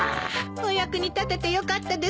お役に立ててよかったですわ。